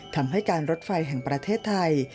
ทำให้การรถไฟแห่งประเทศไทย